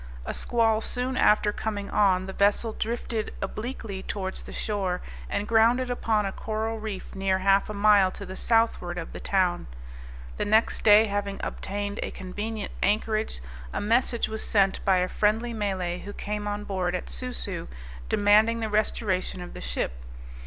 A squall soon after coming on, the vessel drifted obliquely towards the shore, and grounded upon a coral reef near half a mile to the southward of the town. The next day, having obtained a convenient anchorage, a message was sent by a friendly Malay who came on board at Soo Soo, demanding the restoration of the ship.